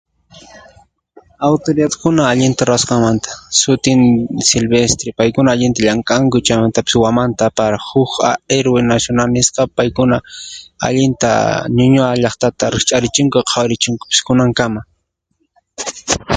Autoridadkuna allin ruwasqanmanta, sutin Silvestre, paykuna allinta llank'anku chaymantapas Huaman Tapara, huk Héroe Nacional nisqa, paykuna allinta Ñuñoa llaqtata rikch'arichinku qawarichinkupas kunan kama.